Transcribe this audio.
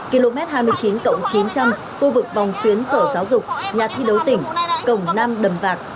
km hai mươi chín chín trăm linh khu vực bòng khuyến sở giáo dục nhà thi đấu tỉnh cổng năm đầm vạc